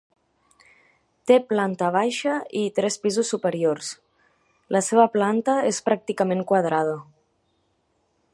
Té planta baixa i tres pisos superiors; la seva planta és pràcticament quadrada.